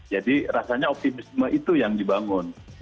jadi rasanya optimisme itu yang dibangun